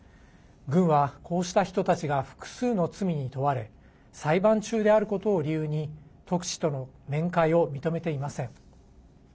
軍は、こうした人たちが複数の罪に問われ裁判中であることを理由に特使との面会を認めていません。